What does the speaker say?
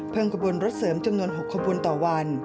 เพิ่มกระบวนรถเสริมจำนวน๖ขบวนต่อวัน